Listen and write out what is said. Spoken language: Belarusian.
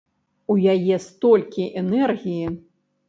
У яе столькі энергіі.